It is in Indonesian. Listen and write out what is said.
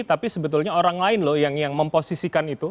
tapi sebetulnya orang lain loh yang memposisikan itu